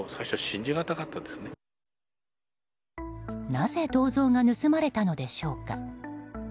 なぜ銅像が盗まれたのでしょうか。